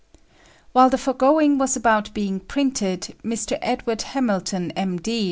While the foregoing was about being printed, Mr. Edward Hamilton, M.D.